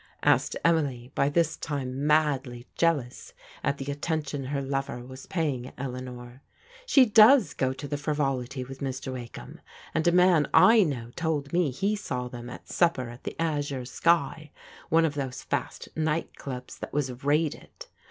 " asked Emily, by this time madly jealous at the attention her lover was paying Elea nor. " She does go to the Frivolity with Mr. Wakeham, and a man I know told me he saw them at supper at the Azure Sky, one of those fast night clubs that was raided.